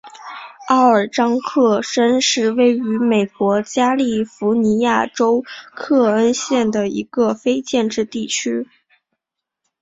奥尔章克申是位于美国加利福尼亚州克恩县的一个非建制地区。